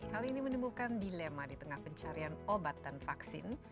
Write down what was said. hal ini menimbulkan dilema di tengah pencarian obat dan vaksin